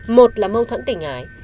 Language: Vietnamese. một là mâu thuẫn tỉnh hải